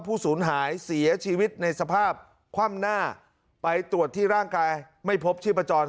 ศูนย์หายเสียชีวิตในสภาพคว่ำหน้าไปตรวจที่ร่างกายไม่พบชีพจร